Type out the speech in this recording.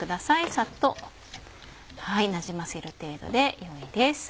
さっとなじませる程度でよいです。